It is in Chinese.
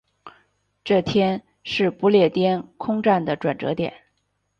这天是不列颠空战的转折点。